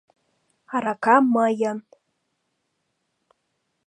Арака мыйын!